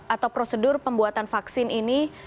atau prosedur pembuatan vaksin ini